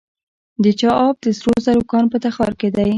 د چاه اب د سرو زرو کان په تخار کې دی